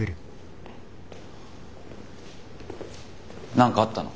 何かあったの？